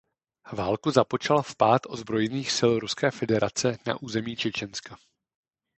Válku započal vpád ozbrojených sil Ruské federace na území Čečenska.